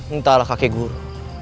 entahlah kakek guru